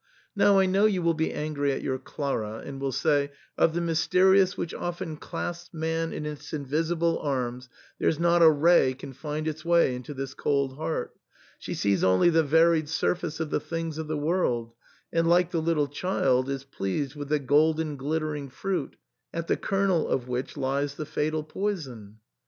Now I know you will be angry at your Clara, and will say, " Of the Mysterious which often clasps man in its invisible arms there's not a ray can find its way into this cold heart. She sees only the varied surface of the things of the world, and, like the little child, is pleased with the golden glittering fruit, at the kernel of which lies the fatal poison.'